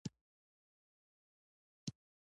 په کار پسې به پاتې کېږې.